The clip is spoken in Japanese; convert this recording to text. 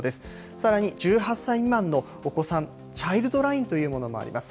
さらに、１８歳未満のお子さん、チャイルドラインというものもあります。